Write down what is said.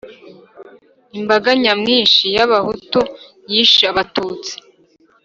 Imbaga nyamwinshi y’Abahutu yishe Abatutsi